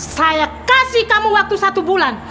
saya kasih kamu waktu satu bulan